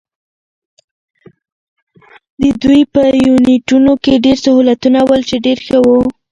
د دوی په یونیټونو کې ډېر سهولتونه ول، چې ډېر ښه وو.